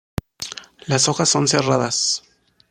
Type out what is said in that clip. Las hojas son serradas.